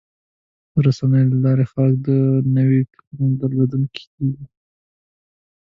د رسنیو له لارې خلک د نوي فکر درلودونکي کېږي.